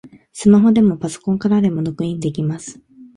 スマホでもパソコンからでもログインできます